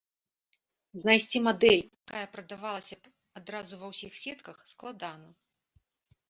Знайсці мадэль, якая прадавалася б адразу ва ўсіх сетках, складана.